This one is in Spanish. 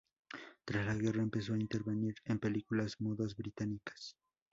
Tras la guerra, empezó a intervenir en películas mudas británicas.